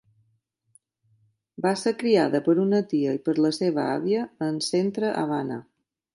Va ser criada per una tia i per la seva àvia en Centre Havana.